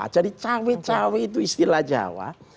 jadi cawe cawe itu istilah jawa